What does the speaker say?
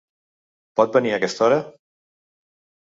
Pot venir a aquesta hora?